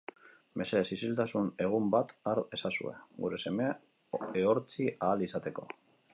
Mesedez, isiltasun egun bat har ezazue, gure semea ehortzi ahal izateko.